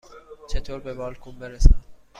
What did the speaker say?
چطور به بالکن برسم؟